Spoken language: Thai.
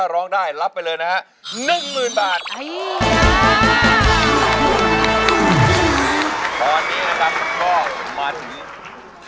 ร้องได้ให้ล้านลูกทุ่งสู้ชีวิต